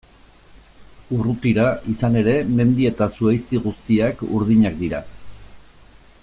Urrutira, izan ere, mendi eta zuhaizti guztiak urdinak dira.